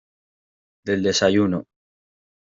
del desayuno.